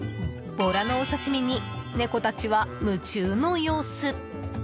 ボラのお刺し身に猫たちは夢中の様子。